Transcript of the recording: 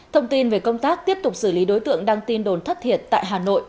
thông tin về công tác tiếp tục xử lý đối tượng đăng tin đồn thất thiệt tại hà nội